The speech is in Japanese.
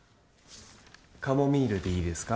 カモミールでいいですか？